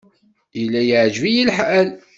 Yella yeɛjeb-iyi lḥal.